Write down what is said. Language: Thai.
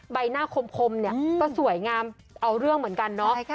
ใบหน้าคมเนี่ยก็สวยงามเอาเรื่องเหมือนกันเนาะ